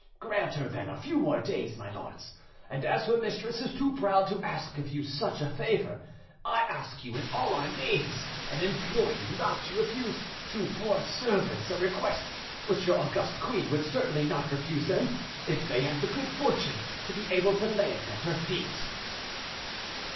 Grant her, then, a few more days, my lords; and as our mistress is too proud to ask of you such a favour, I ask you in all our names, and implore you not to refuse to poor servants a request which your august queen would certainly not refuse them, if they had the good fortune to be able to lay it at her feet."